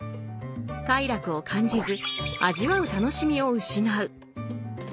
快楽を感じず味わう楽しみを失う。